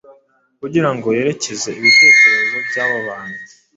kugira ngo yerekeze ibitekerezo by’abo bantu